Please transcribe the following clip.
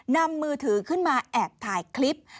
นำมือถือขึ้นมาแอบถ่ายคลิป